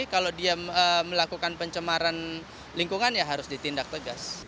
kalau dia melakukan pencemaran lingkungan ya harus ditindak tegas